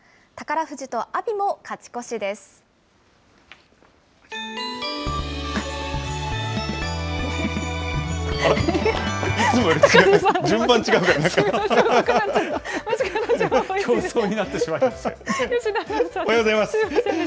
宝富士と阿炎も勝ち越しです。